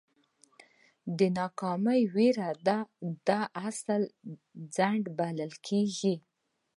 د ناکامۍ وېره ده دا اصلي خنډ بلل کېږي.